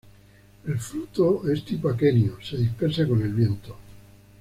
El fruto es tipo aquenio, se dispersa con el viento.